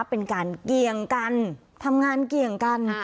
เป็นการเกี่ยงกันทำงานเกี่ยงกัน